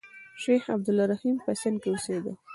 شیخ عبدالرحیم په سند کې اوسېدی.